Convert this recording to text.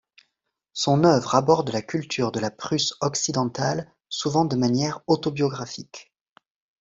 Son œuvre aborde la culture de la Prusse-Occidentale, souvent de manière autobiographique.